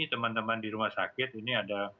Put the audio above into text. teman teman di rumah sakit ini ada